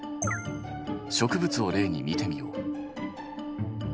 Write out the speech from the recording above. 植物を例に見てみよう。